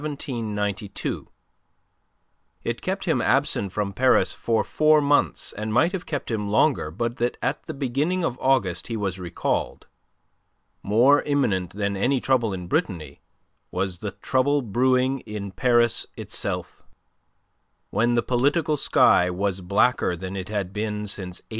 It kept him absent from Paris for four months and might have kept him longer but that at the beginning of August he was recalled. More imminent than any trouble in Brittany was the trouble brewing in Paris itself; when the political sky was blacker than it had been since '89.